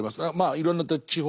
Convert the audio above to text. いろんな地方